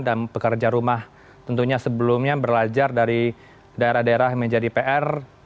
dan pekerja rumah tentunya sebelumnya belajar dari daerah daerah yang menjadi pr